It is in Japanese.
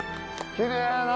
きれいやな！